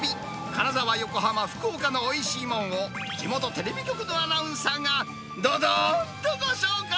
金沢、横浜、福岡のおいしいもんを、地元テレビ局のアナウンサーがどどーんとご紹介。